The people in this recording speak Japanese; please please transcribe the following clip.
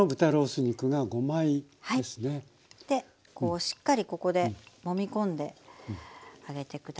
こうしっかりここでもみ込んであげて下さい。